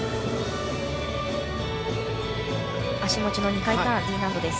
足持ちの２回ターンＤ難度です。